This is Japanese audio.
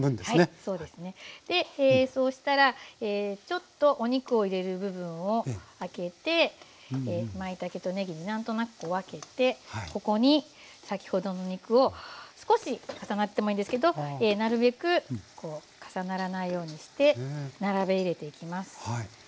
そうしたらちょっとお肉を入れる部分をあけてまいたけとねぎに何となく分けてここに先ほどの肉を少し重なってもいいですけどなるべく重ならないようにして並べ入れていきます。